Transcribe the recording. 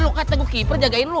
lu kata gua keeper jagain lu